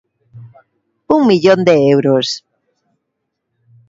Un millón de euros.